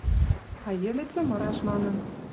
А йӹле цымыраш манын